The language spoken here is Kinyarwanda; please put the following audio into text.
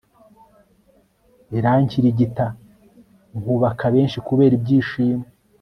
irankirigita nkubaka benshi kubera ibyishimo